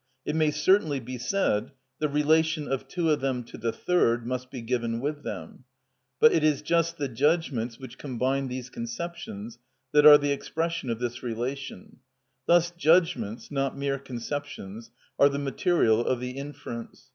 It may certainly be said: the relation of two of them to the third must be given with them. But it is just the judgments which combine these conceptions, that are the expression of this relation; thus judgments, not mere conceptions, are the material of the inference.